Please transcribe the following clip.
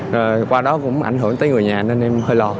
rồi qua đó cũng ảnh hưởng tới người nhà nên em hơi lọt